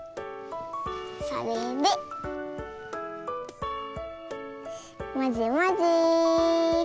それでまぜまぜ。